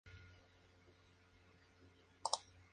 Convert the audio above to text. El club permaneció cerrado por duelo.